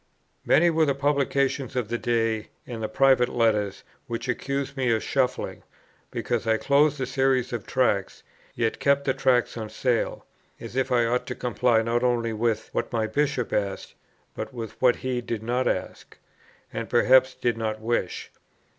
Many were the publications of the day and the private letters, which accused me of shuffling, because I closed the Series of Tracts, yet kept the Tracts on sale, as if I ought to comply not only with what my Bishop asked, but with what he did not ask, and perhaps did not wish.